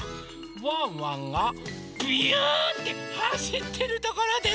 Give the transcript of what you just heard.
ワンワンがびゅってはしってるところです！